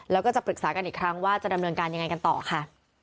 แล้วก็จะปรึกษากันอีกครั้งว่าจะดำเนินการยังไงกันต่อค่ะ